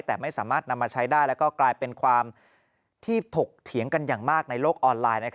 แต่ไม่สามารถนำมาใช้ได้แล้วก็กลายเป็นความที่ถกเถียงกันอย่างมากในโลกออนไลน์